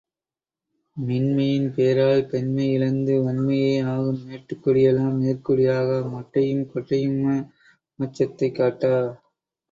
மென்மையின் பேரால் பெண்மை இழந்தது வன்மையே ஆகும் மேட்டுக் குடியெலாம் மேற்குடி ஆகா மொட்டையும் கொட்டையும்ம மோட்சத்தைக் காட்டா!